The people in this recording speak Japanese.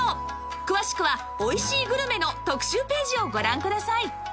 詳しくは「おいしいグルメ」の特集ページをご覧ください